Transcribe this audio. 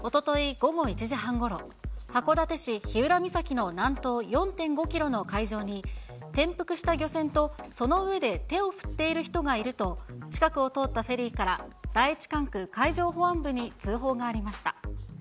午後１時半ごろ、函館市日浦岬の南東４．５キロの海上に、転覆した漁船と、その上で手を振っている人がいると、近くを通ったフェリーから、第１管区海上保安部に通報がありました。